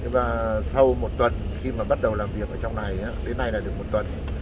và sau một tuần khi mà bắt đầu làm việc ở trong này đến nay là được một tuần